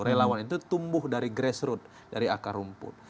relawan itu tumbuh dari grassroot dari akar rumput